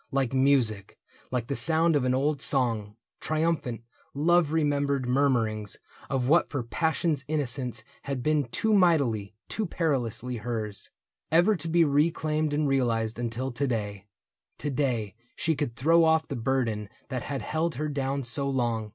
Like music, like the sound of an old song. Triumphant, love remembered murmurings Of what for passion's innocence had been Too mightily, too perilously hers, THE BOOK OF ANNANDALE 145 Ever to be reclaimed and realized Until to day. To day she could throw off The burden that had held her down so long.